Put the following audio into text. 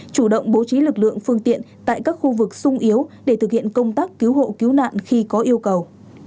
chủ động bố trí lực lượng phương tiện tại các khu vực sung yếu để thực hiện công tác cứu hộ cứu nạn khi có yêu cầu